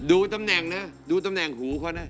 ดูตำแหน่งนะดูตำแหน่งหูเขานะ